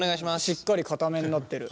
しっかりかためになってる。